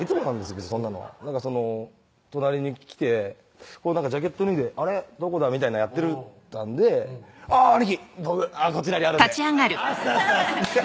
別にそんなのは隣に来てジャケット脱いで「あれ？どこだ？」みたいなのやってたんで「あぁ兄貴僕こちらにあるんであざっすあざっすあざっす」